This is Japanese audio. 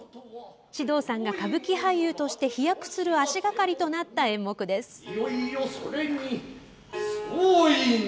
獅童さんが歌舞伎俳優として飛躍する足がかりとなった演目です。